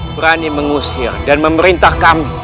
berani mengusir dan memerintah kami